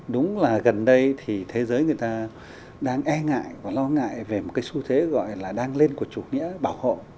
đúng là gần đây thì thế giới người ta đang e ngại và lo ngại về một cái xu thế gọi là đang lên của chủ nghĩa bảo hộ